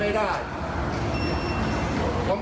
แปเป็นบาง